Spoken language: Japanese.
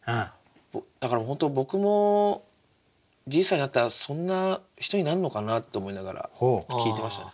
だから本当僕もじいさんになったらそんな人になんのかなって思いながら聞いてましたね。